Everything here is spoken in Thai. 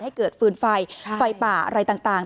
ให้เกิดฟืนไฟไฟป่าอะไรต่าง